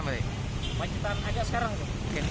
kemacetan aja sekarang